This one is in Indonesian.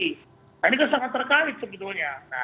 nah ini kan sangat terkait sebetulnya